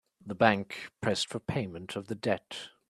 The bank pressed for payment of the debt.